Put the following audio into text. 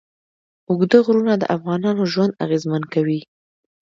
اوږده غرونه د افغانانو ژوند اغېزمن کوي.